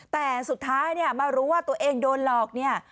แต่สุดท้ายเนี่ยมารู้ว่าตัวเองโดนหลอกเนี่ย